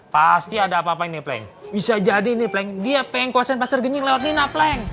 pasti ada apa apa ini pleng bisa jadi nih pleng dia pengkuasaan pasar genying lewat lina pleng